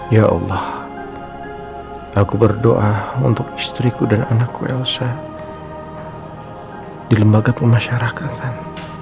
ya allah aku berdoa untuk istriku dan anakku elsa di lembaga pemasyarakatan